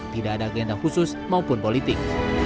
tidak ada agenda khusus maupun politik